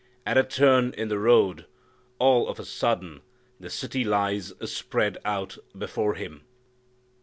At a turn in the road all of a sudden the city lies spread out before Him.